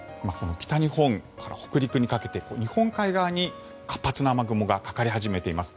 北日本から北陸にかけて日本海側に活発な雨雲がかかり始めています。